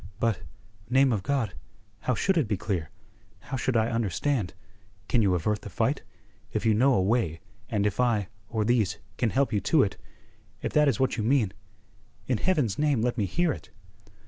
"But, name of God, how should it be clear? How should I understand? Can you avert the fight? If you know a way, and if I, or these, can help you to it if that is what you mean in Heaven's name let me hear it."